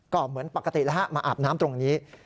ก็เหมือนปกติแล้วฮะมาอาบน้ำตรงนี้